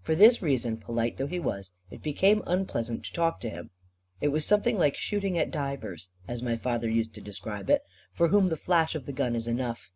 For this reason, polite though he was, it became unpleasant to talk to him. It was something like shooting at divers as my father used to describe it for whom the flash of the gun is enough.